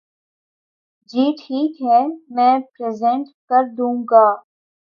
جی ٹھیک ہے میں پریزینٹ کردوں گا۔